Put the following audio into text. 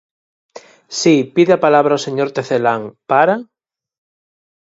Si, pide a palabra o señor Tecelán, ¿para?